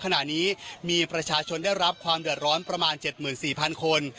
ขณะนี้มีประชาชนได้รับความเดือดร้อนประมาณ๗๔๐๐คน